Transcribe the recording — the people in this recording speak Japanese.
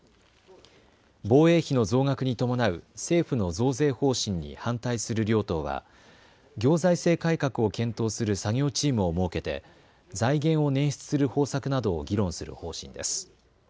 防衛費の増額に伴う政府の増税方針に反対する両党は行財政改革を検討する作業チームを設けて財源を捻出する方策などを議論する方針です。